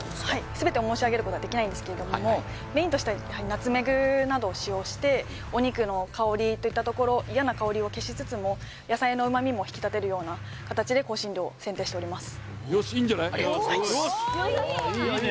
全てを申し上げることはできないんですけどもメインとしてはナツメグなどを使用してお肉の香りといったところ嫌な香りを消しつつも野菜の旨味も引き立てるような形で香辛料を選定しております